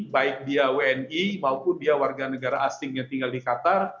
baik dia wni maupun dia warga negara asing yang tinggal di qatar